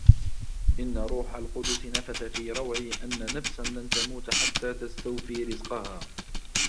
إنَّ رُوحَ الْقُدُسِ نَفَثَ فِي رَوْعِي أَنَّ نَفْسًا لَنْ تَمُوتَ حَتَّى تَسْتَوْفِيَ رِزْقَهَا